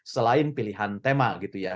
selain pilihan tema gitu ya